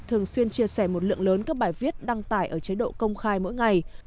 thường xuyên chia sẻ một lượng lớn các bài viết đăng tải ở chế độ công khai mỗi ngày